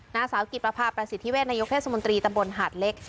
นางสาวกิประพาประสิทธิเวทนายกเทศมนตรีตำบลหาดเล็ก